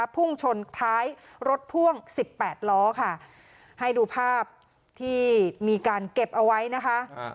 พุ่งชนท้ายรถพ่วง๑๘ล้อค่ะให้ดูภาพที่มีการเก็บเอาไว้นะคะ